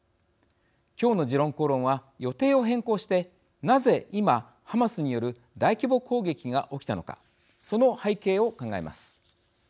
今日の「時論公論」は予定を変更してなぜ、今、ハマスによる大規模攻撃が起きたのかその背景を考えます。